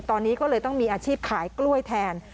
ตอนนี้ก็เลยต้องมีอาชีพขายกล้วยแทน